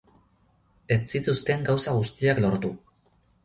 Ez zituzten gauza guztiak lortu.